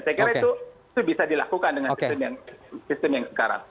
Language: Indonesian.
saya kira itu bisa dilakukan dengan sistem yang sekarang